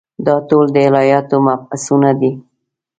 دا ټول د الهیاتو مبحثونه دي.